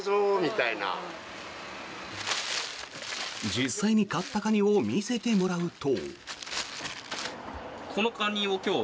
実際に買ったカニを見せてもらうと。